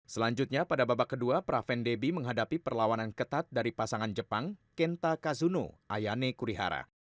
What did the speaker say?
selanjutnya pada babak kedua praven debbie menghadapi perlawanan ketat dari pasangan jepang kenta kazuno ayane kurihara